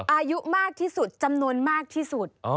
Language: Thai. อายุมากที่สุดจำนวนมากที่สุด